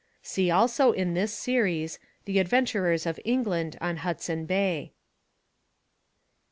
See also in this series: The Adventurers of England on Hudson Bay.